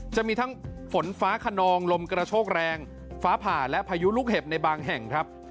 จะมีทั้งฝนฟ้าขนองลมกระโชกแรงฟ้าผ่าและพายุลูกเห็บในบางแห่งครับ